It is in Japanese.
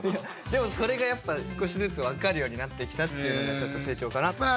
でもそれがやっぱ少しずつ分かるようになってきたっていうのがちょっと成長かなと。